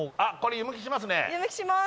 湯むきします。